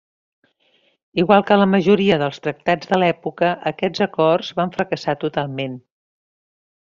Igual que la majoria dels tractats de l'època, aquests acords van fracassar totalment.